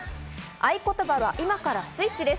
合言葉は「今からスイッチ」です。